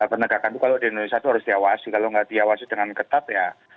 penegakan itu kalau di indonesia itu harus diawasi kalau nggak diawasi dengan ketat ya